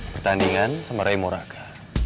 pertandingan sama ray moraga